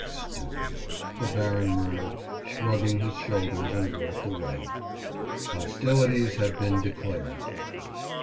"Stupid," the baron murmured, shrugging his shoulders and walked away. Hostilities had been declared.